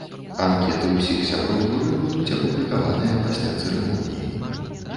Анкеты ўсіх сяброў журы будуць апублікаваныя пасля цырымоніі.